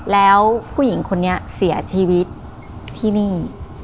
แล้วผู้หญิงคนนี้เสียชีวิตที่นี่